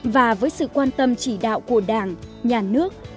và với sự quan tâm chỉ đạo của đảng nhà nước